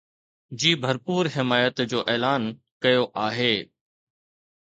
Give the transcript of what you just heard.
جي ڀرپور حمايت جو اعلان ڪيو آهي